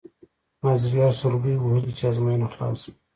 مازیګر سلګۍ وهلې چې ازموینه خلاصه شوه.